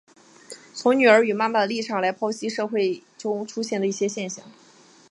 从女儿与妈妈的立场来剖析社会中出现的一些现象。